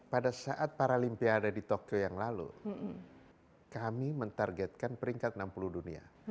pada saat paralimpiade di tokyo yang lalu kami mentargetkan peringkat enam puluh dunia